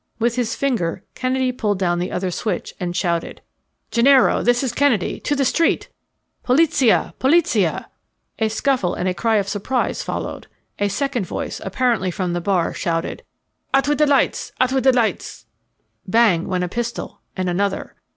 With his finger Kennedy pulled down the other switch and shouted: "Gennaro, this is Kennedy! To the street! Polizia! Polizia!" A scuffle and a cry of surprise followed. A second voice, apparently from the bar, shouted, "Out with the lights, out with the lights!" Bang! went a pistol, and another.